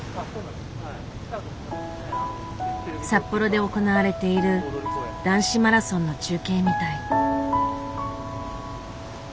札幌で行われている男子マラソンの中継みたい。